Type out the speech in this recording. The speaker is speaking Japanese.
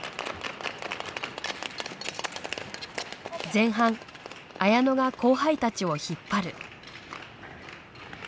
前半綾乃が後輩たちを引っ張る。